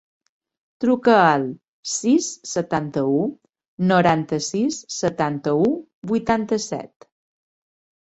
Truca al sis, setanta-u, noranta-sis, setanta-u, vuitanta-set.